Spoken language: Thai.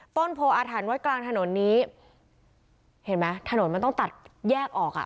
โพออาถรรพ์ไว้กลางถนนนี้เห็นไหมถนนมันต้องตัดแยกออกอ่ะ